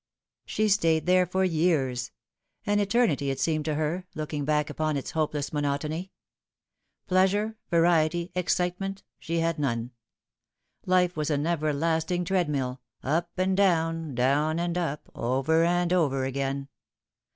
She stayed there for years an eternity it seemed to her, looking back upon its hopeless monotony. Pleasure, variety, excitement, she had none. Life was an everlasting treadmill up and down, down and up, over and over again.